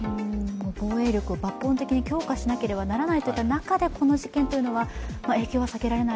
防衛力を抜本的に強化しなければならない中でこの事件というのは影響が避けられない。